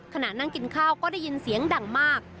ขณะนั่งกินข้าวก็ได้ยินเสียงดังมาก